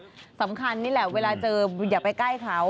สำคัญนี่แหละเวลาเจออย่าไปใกล้เขา